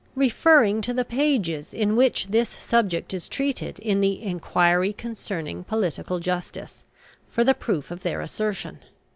referring to the pages in which this subject is treated in the "Enquiry concerning Political Justice" for the proof of their assertion.